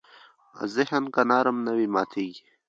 ذهن که نرم نه وي، ماتېږي.